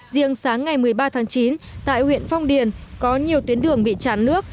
riêng sáng ngày một mươi ba tháng chín tại huyện phong điền có nhiều tuyến đường bị chán nước